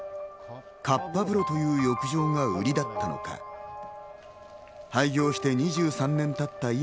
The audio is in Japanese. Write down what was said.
かっぱ風呂という浴場がウリだったのか、廃業して２３年たった